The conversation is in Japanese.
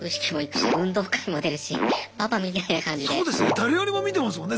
誰よりも見てますもんね